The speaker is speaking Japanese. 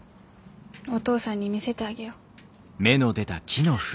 お父さんに見せてあげよ。